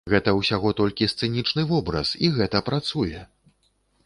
Гэта ўсяго толькі сцэнічны вобраз і гэта працуе!